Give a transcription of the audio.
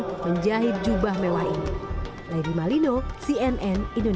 hal ini membuat jubah tersebut menjadi suatu kemampuan